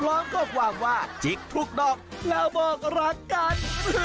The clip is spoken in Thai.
ร้องก็หว่างว่าจิกทุกดอกแล้วบอกละกัน